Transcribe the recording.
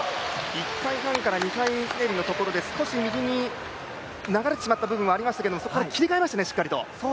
１回半から２回ひねりのところで、少し右に流れてしまったところがありましたがそこから切り替えましたね、しっかりと。